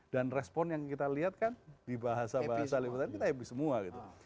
dan respon yang kita lihat kan di bahasa bahasa lewat itu kita happy semua gitu